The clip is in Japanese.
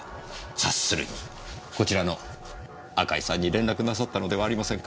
察するにこちらの赤井さんに連絡なさったのではありませんか？